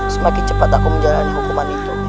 semakin cepat aku menjalani hukuman itu